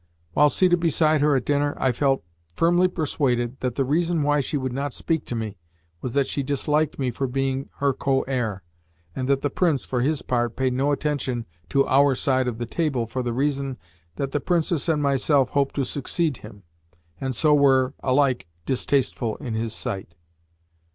While seated beside her at dinner, I felt firmly persuaded that the reason why she would not speak to me was that she disliked me for being her co heir, and that the Prince, for his part, paid no attention to our side of the table for the reason that the Princess and myself hoped to succeed him, and so were alike distasteful in his sight.